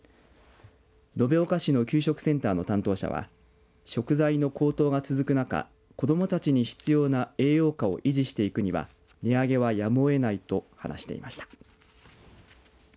延岡市の給食センターの担当者は食材の高騰が続く中子どもたちに必要な栄養価を維持していくには値上げはやむをえないと話していました。